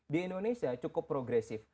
di indonesia cukup progresif